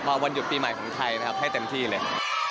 พอวันหยุดปีใหม่ของไทยนะครับให้เต็มที่เลย